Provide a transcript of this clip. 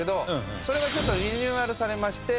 それがちょっとリニューアルされまして